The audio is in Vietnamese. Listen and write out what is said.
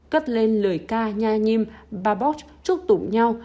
cất lên lời ca nha nhim baboch chúc tụng nhau